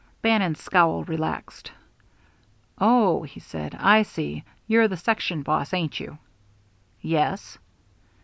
Bannon's scowl relaxed. "Oh," he said, "I see. You're the section boss, ain't you?" "Yes."